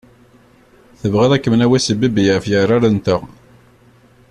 Tebɣiḍ ad kem-nawwi s ibibbi ɣef yeɛrar-nteɣ.